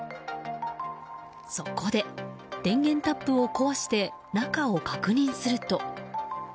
そこで、電源タップを壊して中を確認すると。